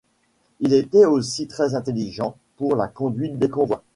Il était aussi très intelligent pour la conduite des convois.